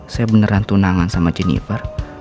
saya beneran tunangan sama jennifer